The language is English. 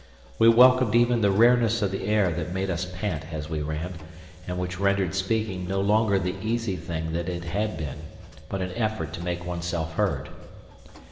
We welcomed even the rareness of the air that made us pant as we ran, and which rendered speaking no longer the easy thing that it had been, but an effort to make oneself heard.